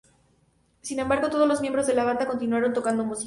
Sin embargo, todos los miembros de la banda continuaron tocando música.